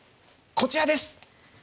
こちらです！